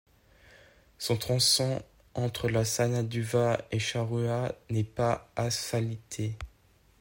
Son tronçon entre la Sananduva et Charrua n'est pas asphalté.